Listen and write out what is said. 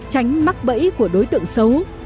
tránh mắc bẫy của đối tượng xấu